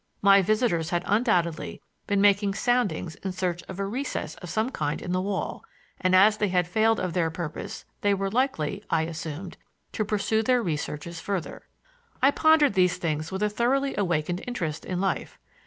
My visitors had undoubtedly been making soundings in search of a recess of some kind in the wall, and as they had failed of their purpose they were likely, I assumed, to pursue their researches further. I pondered these things with a thoroughly awakened interest in life.